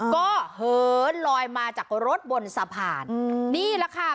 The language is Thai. ก็เหินลอยมาจากรถบนสะพานนี่แหละค่ะ